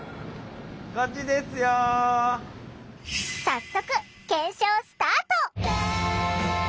早速検証スタート！